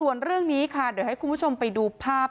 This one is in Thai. ส่วนเรื่องนี้ค่ะเดี๋ยวให้คุณผู้ชมไปดูภาพ